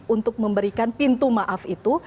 untuk memberikan pintu maaf itu